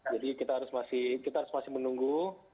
jadi kita harus masih menunggu